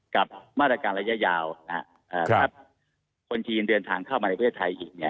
กับมาตรการระยะยาวถ้าคนจีนเดินทางเข้ามาในประเทศไทยอีกเนี่ย